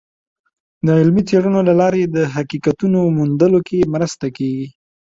د علمي څیړنو له لارې د حقیقتونو موندلو کې مرسته کیږي.